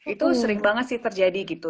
itu sering banget sih terjadi gitu